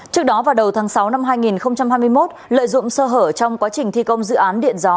trước đó vào đầu tháng sáu năm hai nghìn hai mươi một lợi dụng sơ hở trong quá trình thi công dự án điện gió